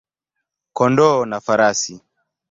kondoo na farasi.